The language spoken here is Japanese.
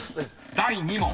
［第２問］